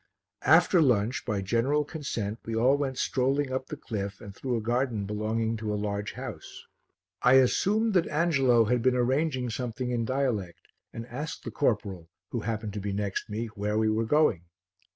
After lunch by general consent we all went strolling up the cliff and through a garden belonging to a large house. I assumed that Angelo had been arranging something in dialect and asked the corporal, who happened to be next me, where we were going.